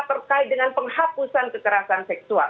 terkait dengan penghapusan kekerasan seksual